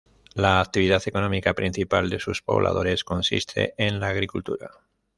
La actividad económica principal de sus pobladores consiste en la agricultura.